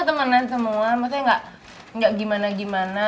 kok temenan semua maksudnya enggak gimana gimana